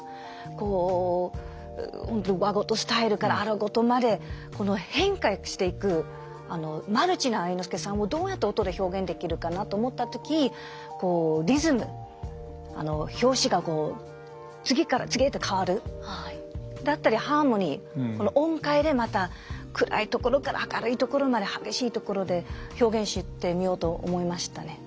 こう本当に和事スタイルから荒事まで変化していくマルチな愛之助さんをどうやって音で表現できるかなと思った時リズム拍子が次から次へと変わるだったりハーモニー音階でまた暗いところから明るいところまで激しいところで表現してみようと思いましたね。